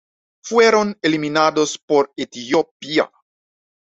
Fueron eliminados por Etiopía.